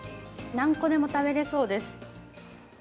何個でも食べれそうです。